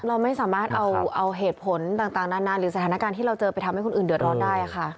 เราไม่สามารถเอาเหตุผลต่างนานหรือสถานการณ์ที่เราเจอไปทำให้คนอื่นเดือดร้อนได้ค่ะ